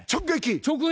直撃？